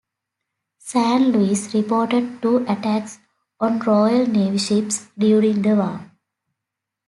"San Luis" reported two attacks on Royal Navy ships during the war.